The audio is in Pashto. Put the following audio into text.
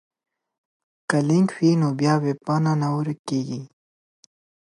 که لینک وي نو ویبپاڼه نه ورکیږي.